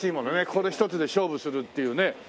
これ一つで勝負するっていうね。